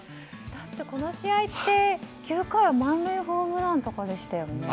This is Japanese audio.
だってこの試合って９回は満塁ホームランとかでしたよね。